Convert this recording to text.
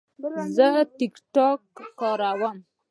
زه د ټک ټاک کاروم.